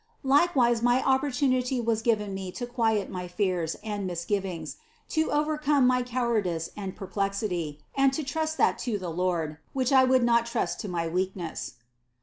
Likewise an opportunity was given me to quiet my fears and misgivings, to overcome my cowardice and perplexity, and to trust that to the Lord, which I would not trust to my weakness.